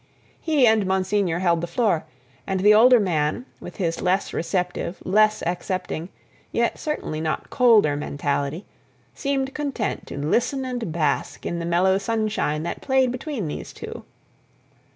He and Monsignor held the floor, and the older man, with his less receptive, less accepting, yet certainly not colder mentality, seemed content to listen and bask in the mellow sunshine that played between these two.